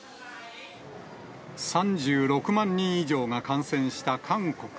３６万人以上が感染した韓国。